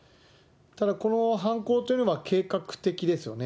ただ、この犯行というのは計画的ですよね。